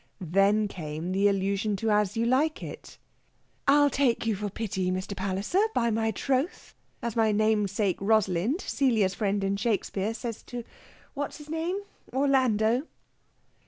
Then came the allusion to As You Like It. "I'll take you for pity, Mr. Palliser 'by my troth,' as my namesake Rosalind, Celia's friend, in Shakespeare, says to what's his name ... Orlando...."